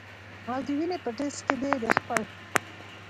او د وینې پۀ ټېسټ کښې دې د خپل